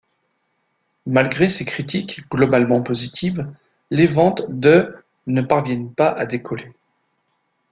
Malgré ces critiques globalement positives, les ventes de ' ne parviennent pas à décoller.